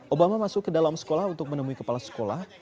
obama masuk ke dalam sekolah untuk menemui kepala sekolah